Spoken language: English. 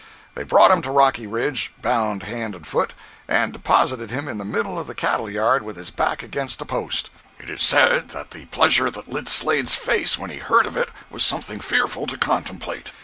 They brought him to Rocky Ridge, bound hand and foot, and deposited him in the middle of the cattle yard with his back against a post. It is said that the pleasure that lit Slade's face when he heard of it was something fearful to contemplate.